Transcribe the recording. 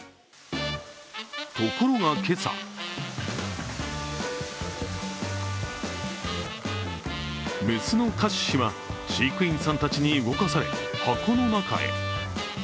ところが今朝雌のカシシは飼育員さんたちに動かされ箱の中へ。